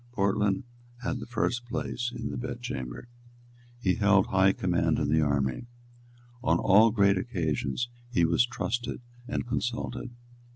Portland had the first place in the bed chamber. He held high command in the army. On all great occasions he was trusted and consulted.